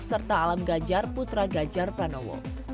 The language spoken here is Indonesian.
serta alam gajar putra gajar pranowo